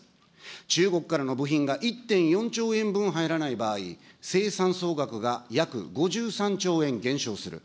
中国からの部品が１．４兆円分入らない場合、生産総額が約５３兆円減少する。